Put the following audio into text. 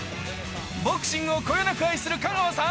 ボクシングをこよなく愛する香川さん。